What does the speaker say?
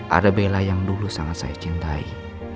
ada bella yang dulu sangat saya cintai